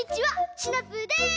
シナプーです！